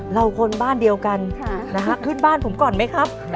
คนบ้านเดียวกันขึ้นบ้านผมก่อนไหมครับ